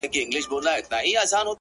سیاه پوسي ده ـ خُم چپه پروت دی ـ